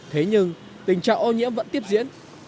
thế nhưng tình trạng ô nhiễm vẫn tiếp diễn